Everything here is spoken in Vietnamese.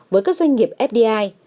với các doanh nghiệp fdi